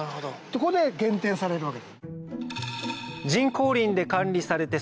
そこで減点されるわけ。